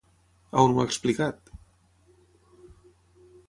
On ho ha explicat?